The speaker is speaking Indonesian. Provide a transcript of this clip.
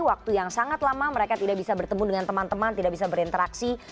waktu yang sangat lama mereka tidak bisa bertemu dengan teman teman tidak bisa berinteraksi